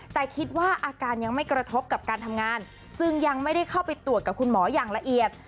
แต่คิดว่าอาการยังไม่กระทบกับการทำงานจึงยังไม่ได้เข้าไปตรวจกับคุณหมออย่างละเอียด